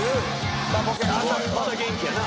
「まだ元気やな」